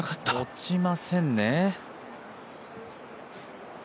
落ちませんね。